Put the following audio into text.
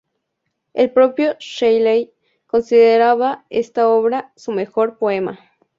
El propio Shelley consideraba esta obra su mejor poema.